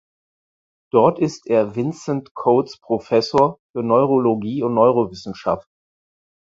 Dort ist er "Vincent Coates Professor" für Neurologie und Neurowissenschaft.